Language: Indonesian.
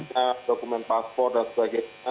tidak ada dokumen paspor dan sebagainya